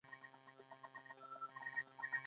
هغه به په ښوونځي کې هغو نجونو ته